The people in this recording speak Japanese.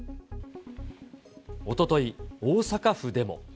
おととい、大阪府でも。